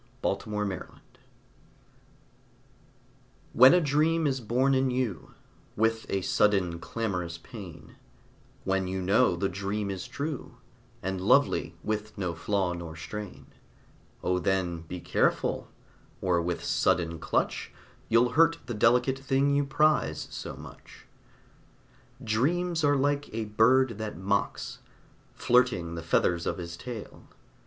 A PINCH OF SALT When a dream is born in you With a sudden clamorous pain, When you know the dream is true And lovely, with no flaw nor stain, O then, be careful, or with sudden clutch You'll hurt the delicate thing you prize so much. Dreams are like a bird that mocks, Flirting the feathers of his tail.